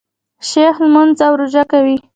شیخ لمونځ او روژه کوي.